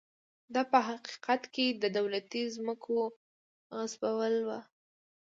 دا په حقیقت کې د دولتي ځمکو غصبول و.